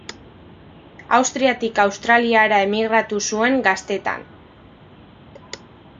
Austriatik Australiara emigratu zuen gaztetan.